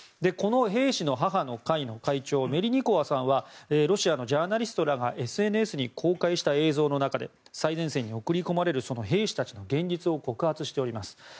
この兵士の母の会の会長メリニコワさんはロシアのジャーナリストらがＳＮＳに公開した映像の中で最前線に送り込まれる兵士の現実を告発しております。